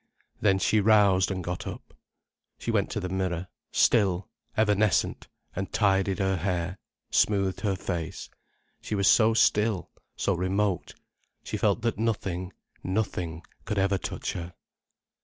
Then she roused and got up. She went to the mirror, still, evanescent, and tidied her hair, smoothed her face. She was so still, so remote, she felt that nothing, nothing could ever touch her.